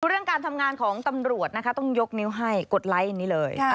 เรื่องการทำงานของตำรวจนะคะต้องยกนิ้วให้กดไลค์อันนี้เลย